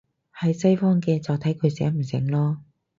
喺西方嘅，就睇佢醒唔醒囉